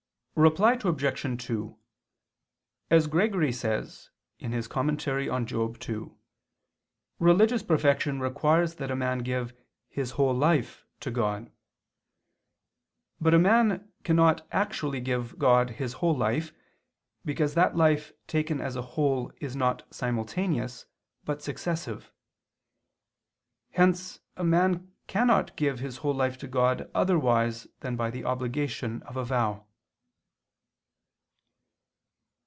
Reply Obj. 2: As Gregory says (Moral. ii) religious perfection requires that a man give "his whole life" to God. But a man cannot actually give God his whole life, because that life taken as a whole is not simultaneous but successive. Hence a man cannot give his whole life to God otherwise than by the obligation of a vow.